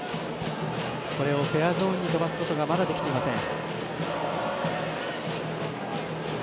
フェアゾーンに飛ばすことがまだできていません。